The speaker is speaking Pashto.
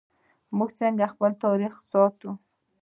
موږ څنګه خپل تاریخ ساتو؟